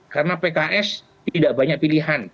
karena pks tidak banyak pilihan